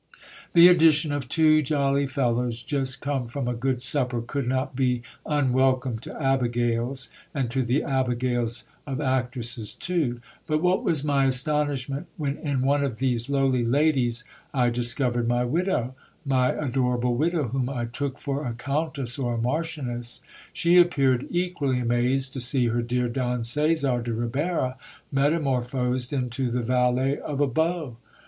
The addition of two jolly fellows just come from a good supper, could not be anwelcome to abigails, and to the abigails of actresses too ; but what was my astonishment when in one of these lowly ladies I discovered my widow, my adorable widow, whom I took for a countess or a marchioness ! She appeared equally amazed to see her dear Don Caesar de Ribera metamorphosed into the valet of a beau.